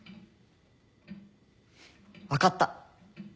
分かった。